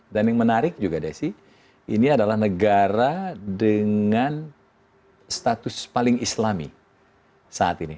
dan yang menarik juga desy ini adalah negara dengan status paling islami saat ini